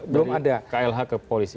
belum ada laporan dari klh ke polisi